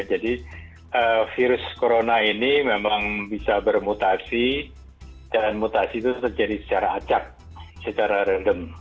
jadi virus corona ini memang bisa bermutasi dan mutasi itu terjadi secara acak secara redem